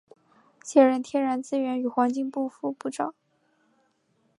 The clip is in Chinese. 现任天然资源与环境部副部长。